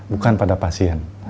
bukan pada pasien